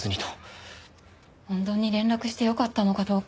本当に連絡してよかったのかどうか。